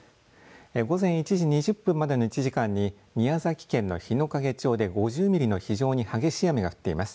午前１時２０分までの１時間に宮崎県の日之影町で５０ミリの非常に激しい雨が降っています。